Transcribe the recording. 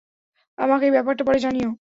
আমাকে এই ব্যাপারটা পরে জানিয়ো।